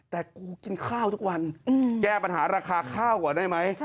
แต่กูกินข้าวทุกวันแก้ปัญหาราคาข้าวก่อนได้ไหม